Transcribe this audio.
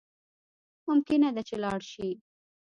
ممکنه ده چی لاړ شی